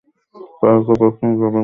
তাহলে তো প্রশ্নের জবাব দেয়া লাগবে।